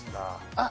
あっ